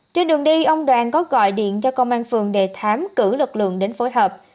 trên đường đi ông đoàn có gọi điện cho công an phường đề thám cử lực lượng đến phối hợp